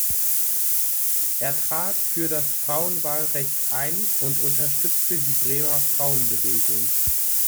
Er trat für das Frauenwahlrecht ein und unterstützte die Bremer Frauenbewegung.